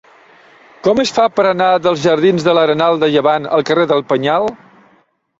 Com es fa per anar dels jardins de l'Arenal de Llevant al carrer del Penyal?